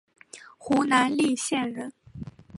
湖南澧县人。